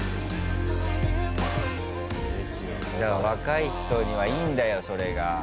若い人にはいいんだよそれが。